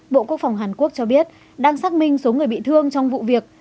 bộ quốc phòng hàn quốc cho biết đang xác minh số người bị thương trong vụ việc